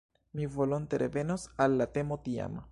Mi volonte revenos al la temo tiam.